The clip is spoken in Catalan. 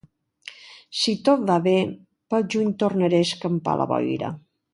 Si tot va bé, pel juny tornaré a escampar la boira.